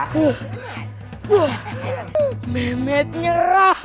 wah memet nyerah